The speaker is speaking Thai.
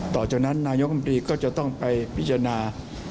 ต่อจากนั้นนายกรรมตรีก็จะต้องไปพิจารณา